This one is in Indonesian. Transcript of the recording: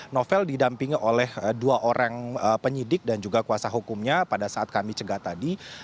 novel didampingi oleh dua orang penyidik dan juga kuasa hukumnya pada saat kami cegat tadi